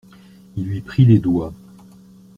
Il lui prit les doigts.